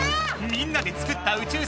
みんなで作った宇宙船